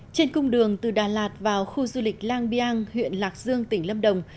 trên cung đường từ đà lạt vào khu du lịch lang biang huyện lạc dương tỉnh lâm đồng